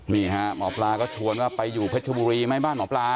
หมอปลาก็ชวนว่าไปอยู่เพชรบุรีไหมบ้านหมอปลา